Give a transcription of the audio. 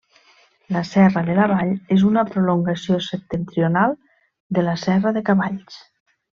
La Serra de la Vall és una prolongació septentrional de la Serra de Cavalls.